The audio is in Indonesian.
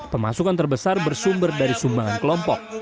pemasukan terbesar bersumber dari sumbangan kelompok